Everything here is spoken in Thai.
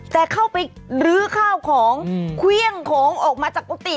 แต่เข้าไปลื้อข้าวของเครื่องของออกมาจากกุฏิ